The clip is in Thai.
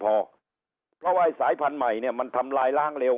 เพราะว่าสายพันธุ์ใหม่เนี่ยมันทำลายล้างเร็ว